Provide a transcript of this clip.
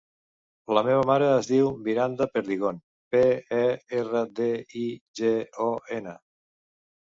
La meva mare es diu Miranda Perdigon: pe, e, erra, de, i, ge, o, ena.